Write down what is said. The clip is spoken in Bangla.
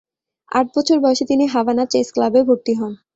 আট বছর বয়সে তিনি হাভানা চেস ক্লাবে ভর্তি হন।